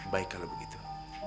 baik kalau begitu